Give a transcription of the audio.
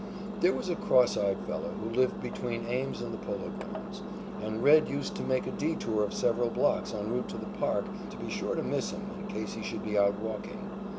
There was a cross eyed fellow who lived between Ames and the Polo Grounds, and "Red" used to make a detour of several blocks en route to the park to be sure to miss him in case he should be out walking.